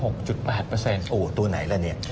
โอ้โหตัวไหนล่ะเนี่ย